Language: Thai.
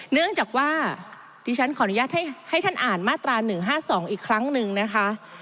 เนื่องจากว่าดิฉันขออนุญาตให้ท่านอ่านมาตรา๑๕๒อีกครั้งหนึ่งนะคะ